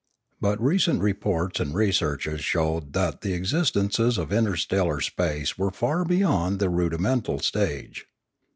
But recent reports and researches showed that the existences of interstellar space were far beyond the rudi mental stage.